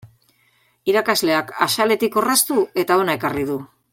Irakasleak axaletik orraztu eta hona ekarri du.